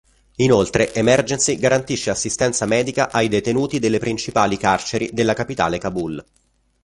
Inoltre, Emergency garantisce assistenza medica ai detenuti delle principali carceri della capitale Kabul.